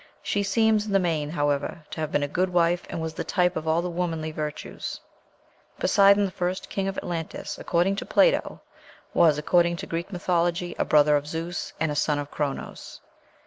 She seems in the main, however, to have been a good wife, and was the type of all the womanly virtues. Poseidon, the first king of Atlantis, according to Plato, was, according to Greek mythology, a brother of Zeus, and a son of Chronos.